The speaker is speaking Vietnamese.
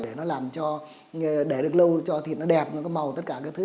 để nó làm cho để được lâu cho thịt nó đẹp nó cứ màu tất cả các thứ